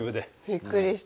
びっくりした。